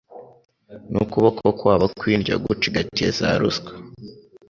n’ukuboko kwabo kw’indyo gucigatiye za ruswa